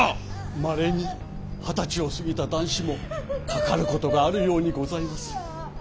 まれに二十歳を過ぎた男子もかかることがあるようにございます。